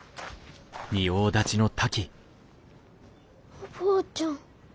おばあちゃん。